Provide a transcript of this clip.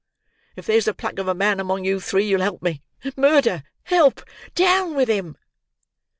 If there's the pluck of a man among you three, you'll help me. Murder! Help! Down with him!"